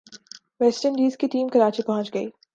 waste Indies کی team Karachi پہنچ گئی